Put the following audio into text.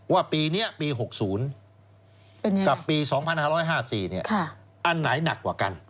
ว่าปีนี้ปี๖๐กับปี๒๕๕๔อันไหนหนักกว่ากัน